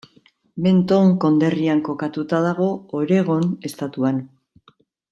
Benton konderrian kokatuta dago, Oregon estatuan.